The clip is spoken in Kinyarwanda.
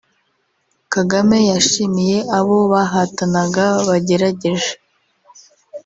Kagame yashimiye abo bahatanaga ‘bagerageje’